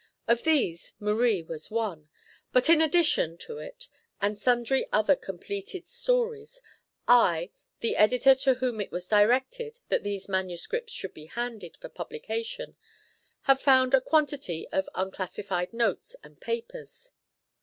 Of these "Marie" was one, but in addition to it and sundry other completed stories, I, the Editor to whom it was directed that these manuscripts should be handed for publication, have found a quantity of unclassified notes and papers.